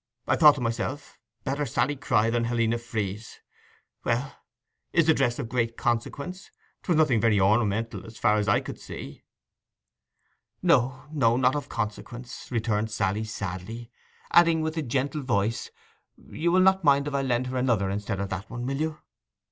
'I thought to myself, "Better Sally cry than Helena freeze." Well, is the dress of great consequence? 'Twas nothing very ornamental, as far as I could see.' 'No—no; not of consequence,' returned Sally sadly, adding in a gentle voice, 'You will not mind if I lend her another instead of that one, will you?